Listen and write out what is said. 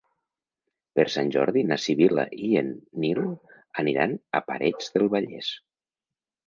Per Sant Jordi na Sibil·la i en Nil aniran a Parets del Vallès.